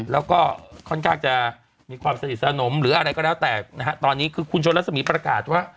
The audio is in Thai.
แล้วเมื่อกี้ฟังแล้ว